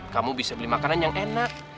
kamu bisa beli makanan yang enak